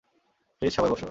Please সবাই বসো।